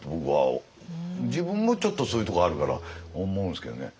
自分もちょっとそういうところあるから思うんですけどね。